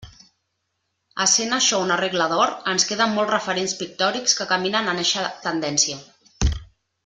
Essent això una regla d'or, ens queden molts referents pictòrics que caminen en eixa tendència.